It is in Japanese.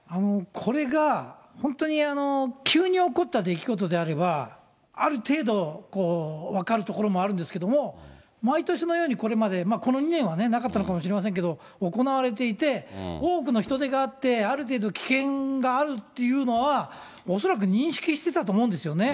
これが本当に急に起こった出来事であれば、ある程度分かるところもあるんですけど、毎年のようにこれまで、この２年はなかったのかもしれませんけど、行われていて、多くの人出があって、ある程度危険があるっていうのは、恐らく認識していたと思うんですよね。